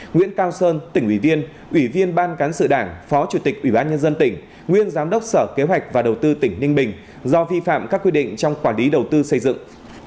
nguyễn cao sơn tỉnh ủy viên ủy viên ban cán sự đảng phó chủ tịch ủy ban nhân dân tỉnh nguyên giám đốc sở kế hoạch và đầu tư tỉnh ninh bình do vi phạm các quy định trong quản lý đầu tư xây dựng